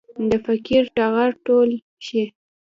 د فقر ټغر ټول شي.